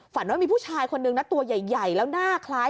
ฝันว่ามีผู้ชายคนนึงนะตัวใหญ่แล้วหน้าคล้าย